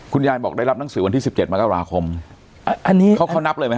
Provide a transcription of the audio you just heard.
คุณยายบอกได้รับหนังสือในวันที่๑๗มาก็ราคม